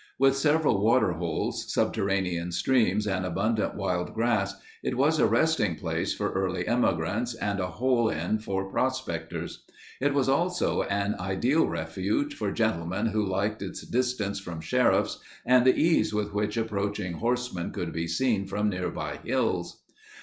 With several water holes, subterranean streams, and abundant wild grass it was a resting place for early emigrants and a hole in for prospectors. It was also an ideal refuge for gentlemen who liked its distance from sheriffs and the ease with which approaching horsemen could be seen from nearby hills.